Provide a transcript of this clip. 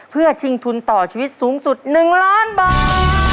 เพื่อชิงทุนต่อชีวิตสูงสุด๑ล้านบาท